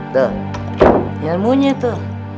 tuh yang munyi tuh